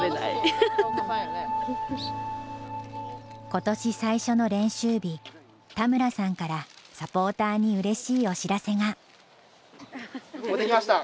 今年最初の練習日田村さんからサポーターにうれしいお知らせが。